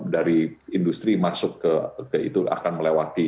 dari industri masuk ke itu akan melewati